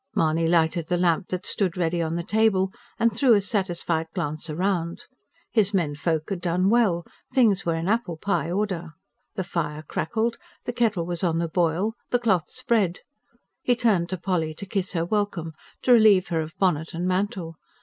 Mahony lighted the lamp that stood ready on the table, and threw a satisfied glance round. His menfolk had done well: things were in apple pie order. The fire crackled, the kettle was on the boil, the cloth spread. He turned to Polly to kiss her welcome, to relieve her of bonnet and mantle.